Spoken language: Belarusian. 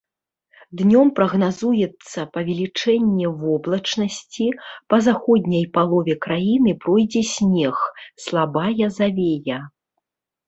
Днём прагназуецца павелічэнне воблачнасці, па заходняй палове краіны пройдзе снег, слабая завея.